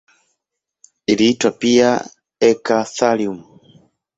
Iliitwa pia eka-thallium.